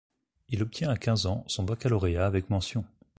Il obtient à quinze ans son baccalauréat avec mention.